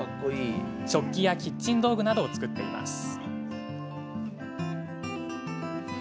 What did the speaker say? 食器やキッチン道具などを作っています。